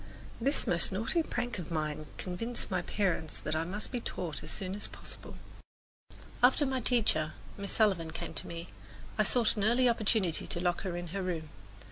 This most naughty prank of mine convinced my parents that I must be taught as soon as possible. After my teacher, Miss Sullivan, came to me, I sought an early opportunity to lock her in her room.